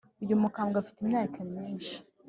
Uyu mukambwe afite imyaka myinshi.